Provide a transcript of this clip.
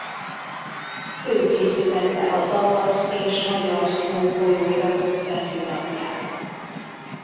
Ő készítette a Tavasz és Magyar Szó folyóiratok fedőlapját.